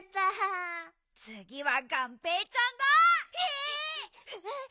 つぎはがんぺーちゃんだ！え！